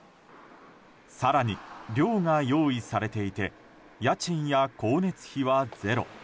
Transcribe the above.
更に、寮が用意されていて家賃や光熱費はゼロ。